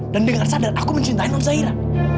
dan dengan sadar aku mencintai non zaira